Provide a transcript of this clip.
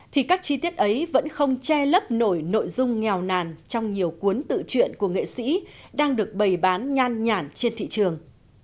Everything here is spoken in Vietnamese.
thì các chi tiết ấy vẫn không che lấp nổi nội dung nghèo nàn trong nhiều cuốn tự chuyện của nghệ sĩ đang được bày bán nhan nhản trên thị trường